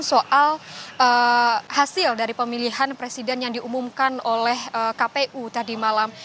soal hasil dari pemilihan presiden yang diumumkan oleh kpu tadi malam